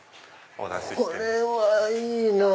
これはいいなぁ。